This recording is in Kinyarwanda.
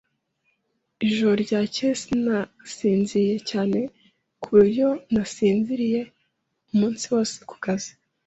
Ijoro ryakeye sinasinziriye cyane ku buryo nasinziriye umunsi wose ku kazi.